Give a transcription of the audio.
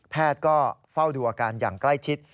แพทย์ก็เฝ้าดูอาการอย่างใกล้ชิด